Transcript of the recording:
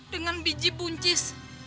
dengan biji buncis